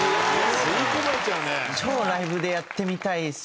超ライブでやってみたいんですよね。